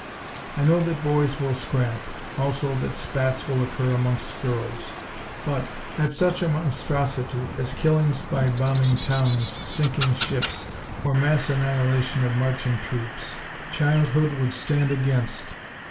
I know that boys will "scrap;" also that "spats" will occur amongst girls; but, at such a monstrosity as killings by bombing towns, sinking ships, or mass annihilation of marching troops, childhood would stand aghast.